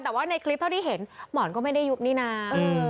แต่ว่าในคลิปเท่าที่เห็นหมอนก็ไม่ได้ยุบนี่นะ